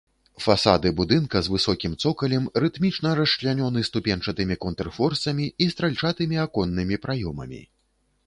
Фасады будынка з высокім цокалем рытмічна расчлянёны ступеньчатымі контрфорсамі і стральчатымі аконнымі праёмамі.